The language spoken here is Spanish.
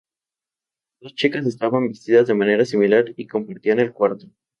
Las dos chicas estaban vestidas de manera similar y compartían el cuarto.